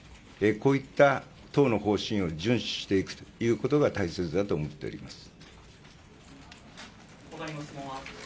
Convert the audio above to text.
こういった党の方針を順守していくことが大切だと思っております。